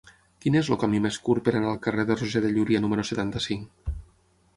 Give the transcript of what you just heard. Quin és el camí més curt per anar al carrer de Roger de Llúria número setanta-cinc?